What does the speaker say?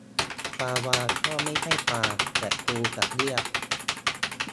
ปลาวาฬก็ไม่ใช่ปลา แต่กูจะเรียก